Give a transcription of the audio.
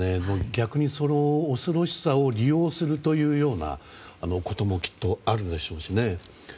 逆にその恐ろしさを利用するというようなこともきっとあるでしょうしね。